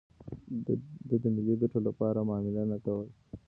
ده د ملي ګټو لپاره معامله نه کوله.